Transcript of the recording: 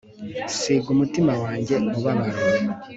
Nsiga umutima wanjye mubabaro